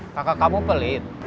kakak kamu pelit